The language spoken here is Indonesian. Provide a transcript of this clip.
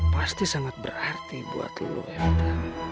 pasti sangat berarti buat lo vita